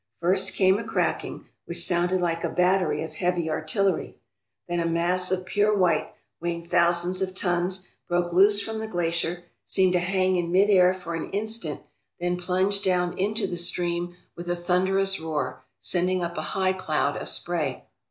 First came a cracking, which sounded like a battery of heavy artillery. Then a mass of pure white, weighing thousands of tons, broke loose from the glacier, seemed to hang in mid air for an instant, then plunged 298 ON THE COPPER RIVER RAILWAY down into the stream with a thunderous roar, sending up a high cloud of spray.